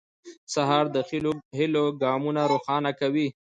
سهار د هيلو ګامونه روښانه کوي.